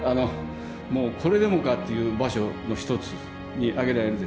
もうこれでもかっていう場所の一つに挙げられるでしょうね。